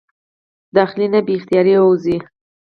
د خلې نه بې اختياره اوځي